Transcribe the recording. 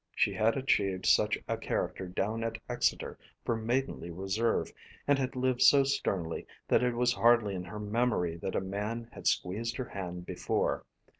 She had achieved such a character down at Exeter for maidenly reserve, and had lived so sternly, that it was hardly in her memory that a man had squeezed her hand before.